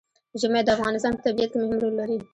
ژمی د افغانستان په طبیعت کې مهم رول لري.